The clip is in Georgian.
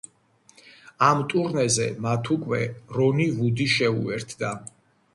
ამ ტურნეზე მათ უკვე რონი ვუდი შეუერთდა.